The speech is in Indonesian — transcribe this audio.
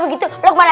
dia kena dia kena